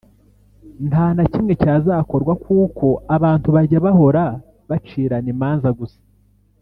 nta na kimwe cyazakorwa kuko abantu bajya bahora bacirana imanza gusa